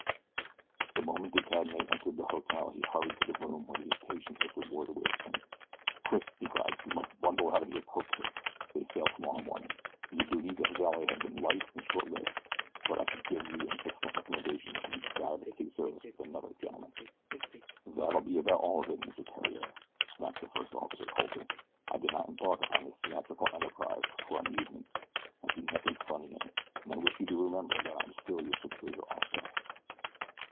The moment De Cadenet entered the hotel he hurried to the room where the impatient Mr. Ward awaited him. "Quick!" he cried. "We must bundle out of here posthaste. They sail tomorrow morning. Your duties as valet have been light and short lived; but I can give you an excellent recommendation should you desire to take service with another gentleman." "That'll be about all of that, Mr. Theriere," snapped the first officer, coldly. "I did not embark upon this theatrical enterprise for amusement I see nothing funny in it, and I wish you to remember that I am still your superior officer."